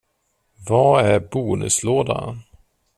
Vad är bonuslådan?